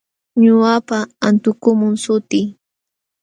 Ñuqapa antukum sutii.